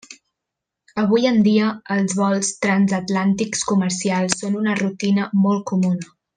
Avui en dia, els vols transatlàntics comercials són una rutina molt comuna.